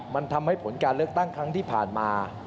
มันทำให้ผลการเลือกตั้งครั้งที่ผ่านมา